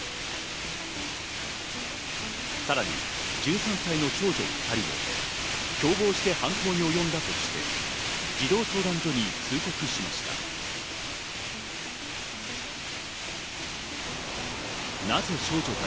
さらに１３歳の少女２人も共謀して犯行におよんだとして、児童相談所に通告しました。